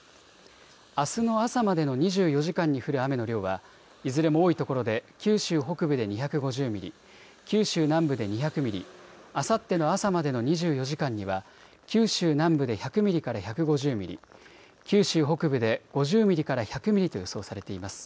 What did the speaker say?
あすの朝までの２４時間に降る雨の量はいずれも多いところで九州北部で２５０ミリ、九州南部で２００ミリ、あさっての朝までの２４時間には九州南部で１００ミリから１５０ミリ、九州北部で５０ミリから１００ミリと予想されています。